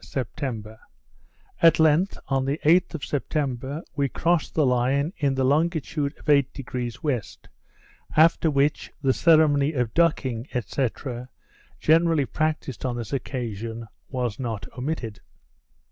1772 September At length, on the 8th of September, we crossed the Line in the longitude of 8° W.; after which, the ceremony of ducking, &c., generally practised on this occasion, was not omitted.